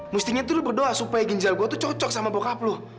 mestinya tuh lu berdoa supaya ginjal gue tuh cocok sama bokap lu